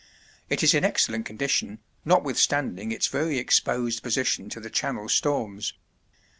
It is in excellent condition, notwithstanding its very exposed position to the Channel storms.